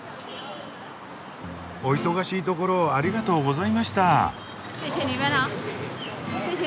お忙しいところをありがとうございました。